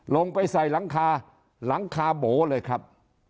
ลงไปใส่หลังคาหลังคาโบเลยครับ